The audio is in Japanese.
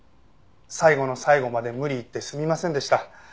最後の最後まで無理言ってすみませんでした。